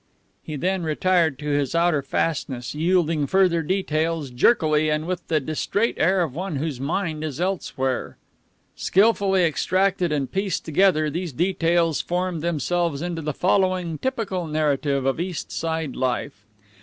He then retired to his outer fastness, yielding further details jerkily and with the distrait air of one whose mind is elsewhere. Skilfully extracted and pieced together, these details formed themselves into the following typical narrative of East Side life.